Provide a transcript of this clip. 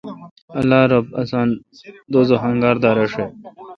اللہ رب آسان دوزخ انگار دا رݭہ۔